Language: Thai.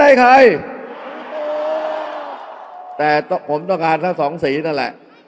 อย่าให้ลุงตู่สู้คนเดียว